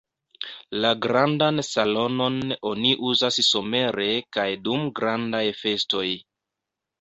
La grandan salonon oni uzas somere kaj dum grandaj festoj.